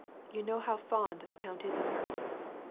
You know how fond the count is of her."